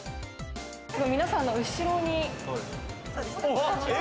皆さんの後ろに。